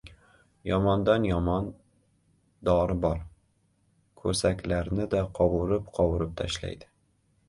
Yomondan-yomon— dori bor ko‘saklarni-da qovurib-qovurib tashlaydi.